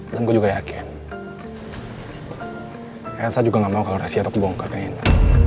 dan gue juga yakin elsa juga gak mau kalau rahasia itu kebongkar ke nina